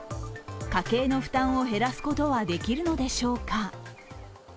家計の負担を減らすことはできるのでしょうか。